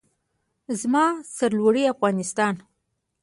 زما سرلوړی افغانستان.